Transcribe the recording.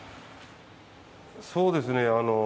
そうですね。